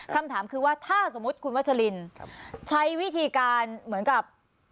คำถามคือว่าถ้าสมมุติคุณวัชลินใช้วิธีการเหมือนกับ